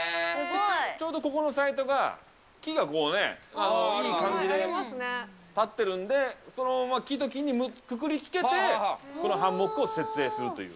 ちょうどここのサイトが、木がこうね、いい感じで立ってるんで、そのまま木と木にくくりつけて、このハンモックを設営するという。